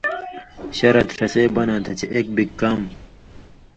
شرط ݜسے بناں تھہ چے ایک بِگ کام